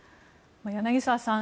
柳澤さん